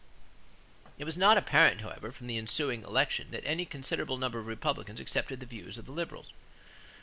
It was not apparent, however, from the ensuing election that any considerable number of Republicans accepted the views of the Liberals.